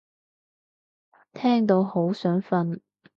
聽到好想瞓